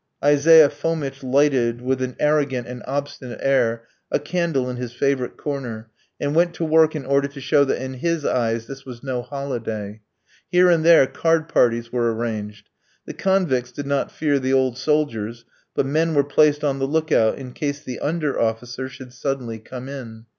Isaiah Fomitch lighted, with an arrogant and obstinate air, a candle in his favourite corner, and went to work in order to show that in his eyes this was no holiday. Here and there card parties were arranged. The convicts did not fear the old soldiers, but men were placed on the look out in case the under officer should suddenly come in.